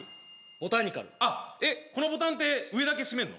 ボタニカルあっえっこのボタンって上だけしめんの？